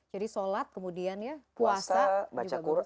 jadi sholat kemudian ya puasa baca qur'an